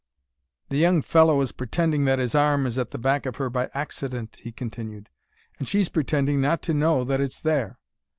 "The young fellow is pretending that his arm is at the back of her by accident," he continued; "and she's pretending not to know that it's there.